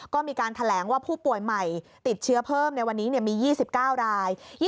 ก็มีการแถลงว่าผู้ป่วยใหม่ติดเชื้อเพิ่มในวันนี้มี๒๙ราย